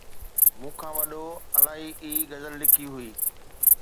مون کان وڏو! الائي ئي غزل لکي هئي